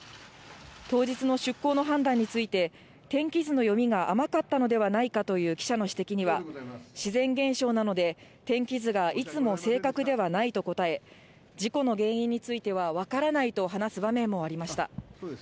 当日の出航の判断について、天気図の読みが甘かったのではないかという記者の指摘には、自然現象なので、天気図がいつも正確ではないと答え、事故の原因については、分からないと話す場面もありました。